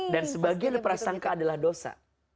dan sebagian perasangka adalah dosa